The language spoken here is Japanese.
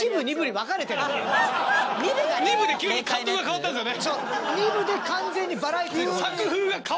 二部で急にカットが変わったんですよね